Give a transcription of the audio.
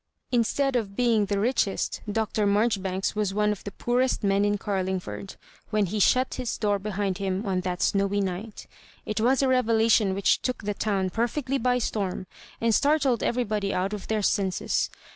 Instead of being the richest, Dr. Maijoribanks was one of the pflprest men in Garlingford, when he shut his door behind him on that snowy night It was a revelation which took the town perfectly by storm, and startled everybody out of their senses.